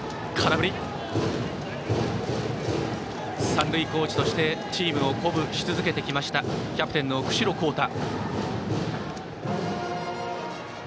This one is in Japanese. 三塁コーチとしてチームを鼓舞し続けてきましたキャプテンの久城洸太。